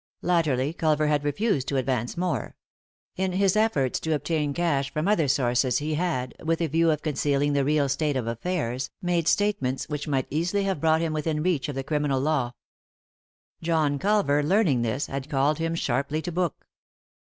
Latterly Culver had refused to advance more. In his efforts to obtain cash from other sources he had, with a view of concealing the real state of affairs, made statements which might easily have brought him within reach of the criminal law. John Culver, learning this, had called him sharply to book.